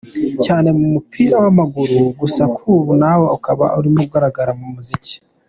cyane mu mupira wamaguru gusa kuri ubu nawe akaba arimo agaragara mu muziki.